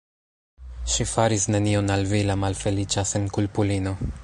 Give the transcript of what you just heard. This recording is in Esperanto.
Ŝi faris nenion al vi, la malfeliĉa senkulpulino.